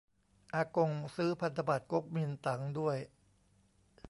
อากงซื้อพันธบัตรก๊กมินตั๋งด้วย